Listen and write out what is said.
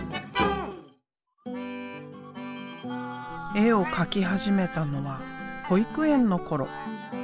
絵を描き始めたのは保育園の頃。